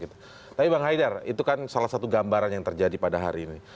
tapi bang haidar itu kan salah satu gambaran yang terjadi pada hari ini